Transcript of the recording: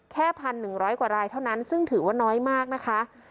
แค่๑๑๐๐กว่ารายเท่านั้นซึ่งถือว่าน้อยมากนะคะ